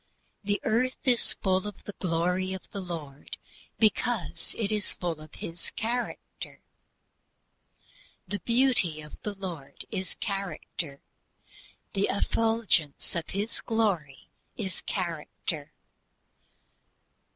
The earth is "full of the glory of the Lord," because it is full of His character. The "Beauty of the Lord" is character. "The effulgence of His Glory" is character.